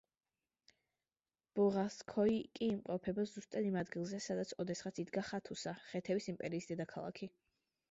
ბოღაზქოი კი იმყოფება ზუსტად იმ ადგილზე, სადაც ოდესღაც იდგა ხათუსა, ხეთების იმპერიის დედაქალაქი.